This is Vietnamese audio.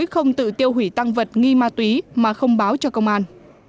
không tự tiêu hủy tăng vật nghi ma túy mà không báo cho công an